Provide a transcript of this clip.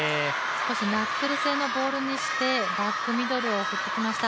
ナックル性のボールにしてバックミドルを振ってきました。